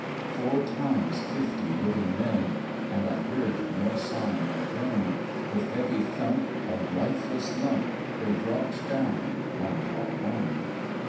Four times fifty living men, (And I heard nor sigh nor groan) With heavy thump, a lifeless lump, They dropped down one by one.